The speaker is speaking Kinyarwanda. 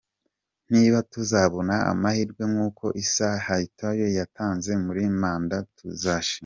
Niba tuzabona amahirwe nk’uko Issa Hayatou yayatanze muri manda tuzashima.